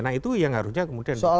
nah itu yang harusnya kemudian